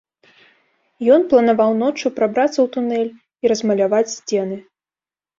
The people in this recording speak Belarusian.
Ён планаваў ноччу прабрацца ў тунэль і размаляваць сцены.